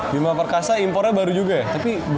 gimana per kasa impornya baru juga ya